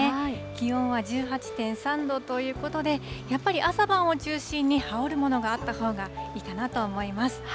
気温は１８．３度ということで、やっぱり朝晩を中心に羽織るものがあったほうがいいかなと思います。